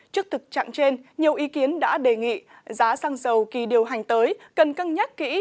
trước thực trạng trên nhiều ý kiến đã đề nghị giá xăng dầu kỳ điều hành tới cần cân nhắc kỹ